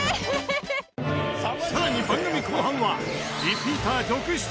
更に番組後半はリピーター続出！